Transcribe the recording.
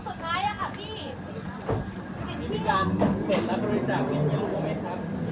พี่สุนัยคิดถึงลูกไหมครับ